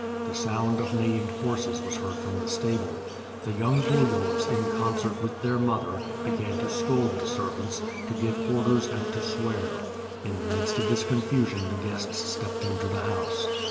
The sound of neighing horses was heard from the stable. The young Bulyhovs in concert 54 WITH FIRE AND SWORD. with their mother, began to scold the servants, to give orders, and to swear. In the midst of this confusion the guests stepped into the house.